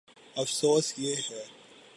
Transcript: افسوس، یہ ہے۔